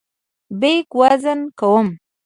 بیک وزن کوم.